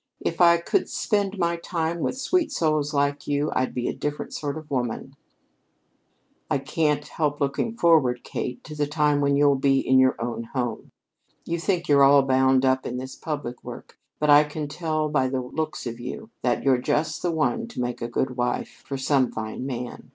If I could spend my time with sweet souls like you, I'd be a different sort of woman." "I can't help looking forward, Kate, to the time when you'll be in your own home. You think you're all bound up in this public work, but I can tell by the looks of you that you're just the one to make a good wife for some fine man.